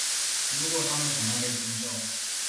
如果他們想要被尊重